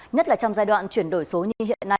nhất là trong giai đoạn chuyển đổi số như hiện nay